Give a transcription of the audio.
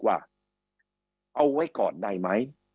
คำอภิปรายของสอสอพักเก้าไกลคนหนึ่ง